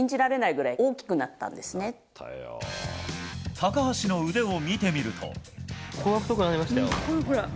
高橋の腕を見てみると。